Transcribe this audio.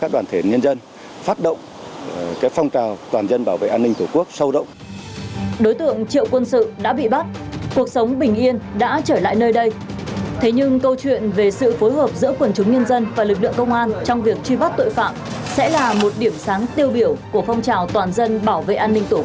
đối tượng triệu quân sự đã bị bắt cuộc sống bình yên đã trở lại nơi đây thế nhưng câu chuyện về sự phối hợp giữa quần chúng nhân dân và lực lượng công an trong việc truy bắt tội phạm sẽ là một điểm sáng tiêu biểu của phong trào toàn dân bảo vệ an ninh tổ quốc